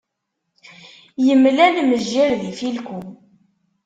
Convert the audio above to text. Imlal mejjir d ifilku.